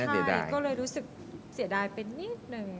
ก็เลยรู้สึกเสียดายไปนิดนึง